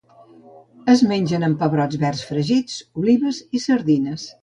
Es mengen amb pebrots verds fregits, olives i sardines.